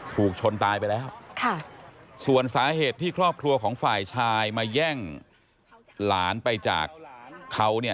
ถูกชนตายไปแล้วค่ะส่วนสาเหตุที่ครอบครัวของฝ่ายชายมาแย่งหลานไปจากเขาเนี่ย